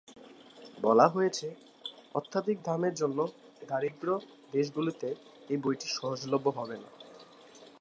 বলা হয়েছে, অত্যধিক দামের জন্য দরিদ্র দেশগুলিতে এই বইটি সহজলভ্য হবে না।